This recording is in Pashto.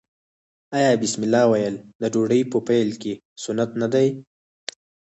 آیا بسم الله ویل د ډوډۍ په پیل کې سنت نه دي؟